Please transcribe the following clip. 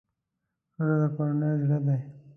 ښځه د کورنۍ زړه ده.